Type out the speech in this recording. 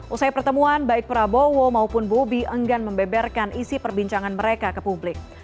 usai pertemuan baik prabowo maupun bobi enggan membeberkan isi perbincangan mereka ke publik